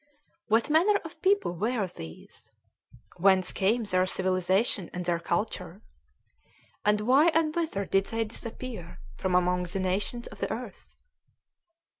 What manner of people were these? Whence came their civilization and their culture? And why and whither did they disappear from among the nations of the earth?